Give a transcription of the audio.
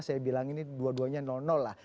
saya bilang ini dua duanya lah